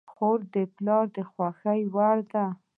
خور د پلار د خوښې وړ ده.